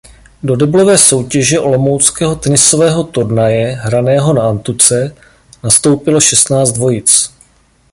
Do deblové soutěže olomouckého tenisového turnaje hraného na antuce nastoupilo šestnáct dvojic.